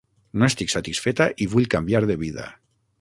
No estic satisfeta i vull canviar de vida.